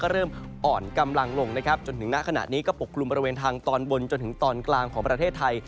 ถึงหน้าขณะนี้ก็ปกลุ่มบริเวณทางตอนบลจนถึงตอนกลางของประเทศไทย